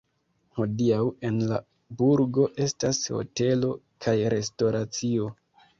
Hodiaŭ en la burgo estas hotelo kaj restoracio.